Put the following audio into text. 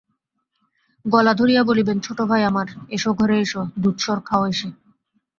গলা ধরিয়া বলিবেন–ছোটো ভাই আমার, এস ঘরে এস, দুধ-সর খাওসে।